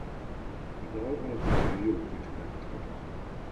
A dal alapvetően jó kritikákat kapott.